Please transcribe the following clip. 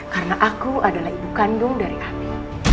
karena aku adalah ibu kandung dari api